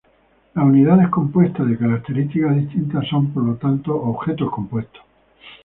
Las unidades compuestas de características distintivas son, por lo tanto, objetos compuestos.